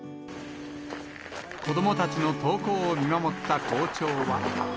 子どもたちの登校を見守った校長は。